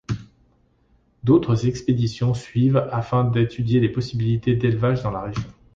D'autres expéditions suivent afin d'étudier les possibilités d'élevage dans la région.